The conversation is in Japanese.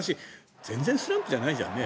全然スランプじゃないじゃんね。